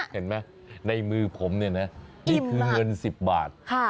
เห็นไหมในมือผมนี่คือเงิน๑๐บาท